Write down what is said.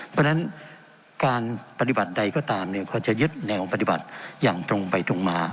เพราะฉะนั้นการปฏิบัติใดก็ตามก็จะยึดแนวปฏิบัติอย่างตรงไปตรงมา